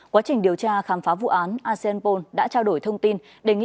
quá trình điều tra khám phá vụ án aseanpol đã trao đổi thông tin